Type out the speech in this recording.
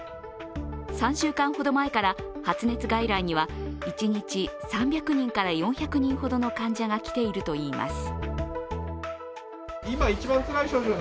３週間ほど前から発熱外来には、一日３００人から４００人ほどの患者が来ているといいます。